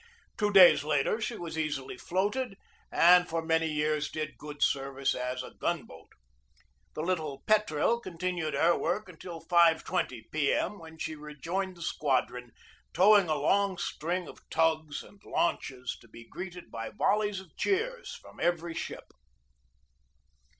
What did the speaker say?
Two days later she was easily floated, and for many years did good service as a gun boat. The little Petrel continued her work until 5.20 P. M., when she rejoined the squadron, towing a long string of tugs and launches, to be greeted by volleys of cheers from every ship.